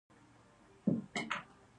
ددې پیښو لاملونه بیلابیل دي.